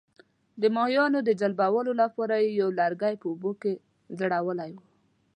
د ماهیانو د جلبولو لپاره یې یو لرګی په اوبو کې ځړولی وو.